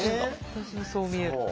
私もそう見える。